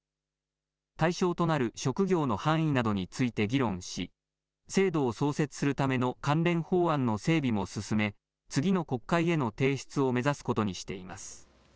対象となる職業の範囲などについて議論し制度を創設するための関連法案の整備も進め次の国会への提出を目指すことにしています。